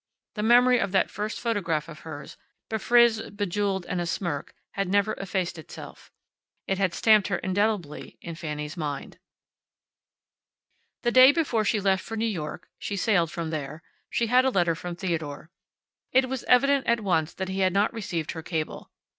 The memory of that first photograph of hers, befrizzed, bejeweled, and asmirk, had never effaced itself. It had stamped her indelibly in Fanny's mind. The day before she left for New York (she sailed from there) she had a letter from Theodore. It was evident at once that he had not received her cable.